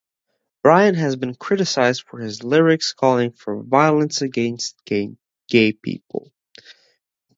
Bryan has been criticised for his lyrics calling for violence against gay people.